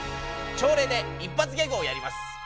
朝礼で一発ギャグをやります！